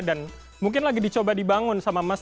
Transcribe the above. dan mungkin lagi dicoba dibangun sama mas